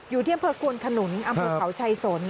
อยู่ที่อำเภอกวนขนุนอำเภอเขาชัยสน